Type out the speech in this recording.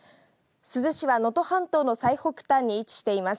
珠洲市は能登半島の最北端に位置しています。